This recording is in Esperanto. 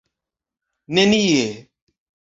nenie